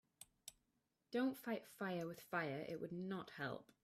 Don‘t fight fire with fire, it would not help.